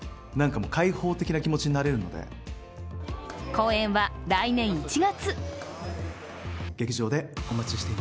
公演は来年１月。